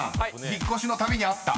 引っ越しのたびにあった？］